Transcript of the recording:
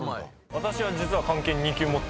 私は実は。